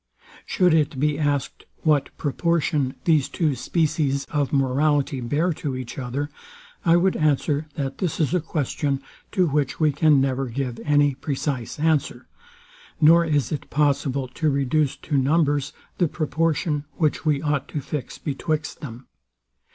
Should it be asked, what proportion these two species of morality bear to each other? I would answer, that this is a question, to which we can never give any precise answer; nor is it possible to reduce to numbers the proportion, which we ought to fix betwixt them.